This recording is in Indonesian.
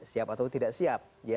siap atau tidak siap